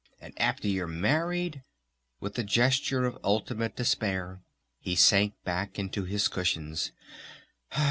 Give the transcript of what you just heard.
And after you're married?" With a gesture of ultimate despair he sank back into his cushions.